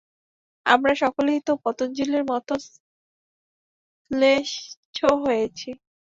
আমরা সকলেই তো পতঞ্জলির মতে ম্লেচ্ছ হয়েছি।